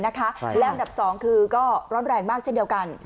และอันดับ๒คือก็ร้อนแรงมากเช่นเดียวกัน